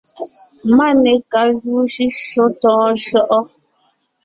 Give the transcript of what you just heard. Máne ka júu shʉ́shyó tɔ̌ɔn shyɔ́ʼɔ ?